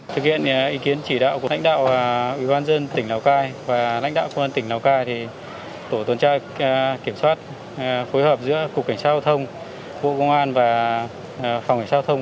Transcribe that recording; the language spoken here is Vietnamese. tổ tuần tra cục cảnh sát giao thông phối hợp với phòng cảnh sát giao thông